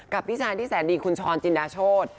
พี่ชายที่แสนดีคุณชรจินดาโชธ